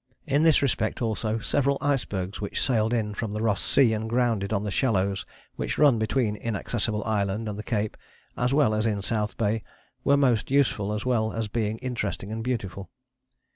In this respect also several icebergs which sailed in from the Ross Sea and grounded on the shallows which run between Inaccessible Island and the cape, as well as in South Bay, were most useful as well as being interesting and beautiful.